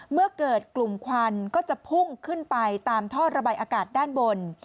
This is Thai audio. เมื่อเกิดกลุ่มควันก็จะพุ่งขึ้นไปตามท่อระบายอากาศด้านบน